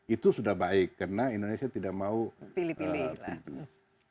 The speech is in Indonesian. itu sudah baik karena indonesia tidak mau pilih